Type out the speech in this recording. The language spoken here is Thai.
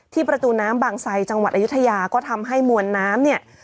ประตูน้ำบางไซจังหวัดอายุทยาก็ทำให้มวลน้ำเนี่ย